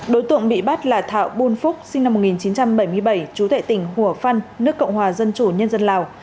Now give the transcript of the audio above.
đối tượng bị bắt là thảo bùn phúc sinh năm một nghìn chín trăm bảy mươi bảy chú tệ tỉnh hùa phan nước cộng hòa dân chủ nhân dân lào